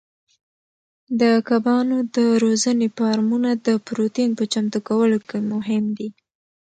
د کبانو د روزنې فارمونه د پروتین په چمتو کولو کې مهم دي.